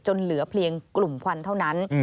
เหลือเพียงกลุ่มควันเท่านั้น